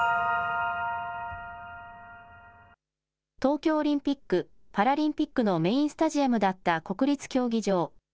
東京オリンピック・パラリンピックのメインスタジアムだった国立競技場。